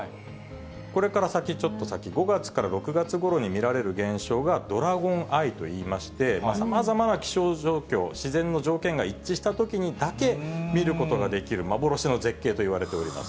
これから先、ちょっと先、５月から６月ごろに見られる現象が、ドラゴンアイといいまして、さまざまな気象状況、自然の条件が一致したときにだけ見ることができる、幻の絶景といわれております。